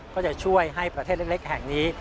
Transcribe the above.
ก็จะช่วยให้ประเทศเล็กแห่งนี้